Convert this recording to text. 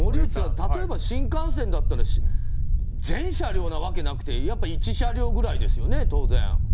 例えば新幹線だったら全車両なわけがなくて１車両ぐらいですよね。